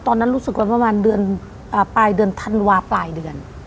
ตอนนั้นรู้สึกว่าปลายเดือนธันวาคมปลายเดือน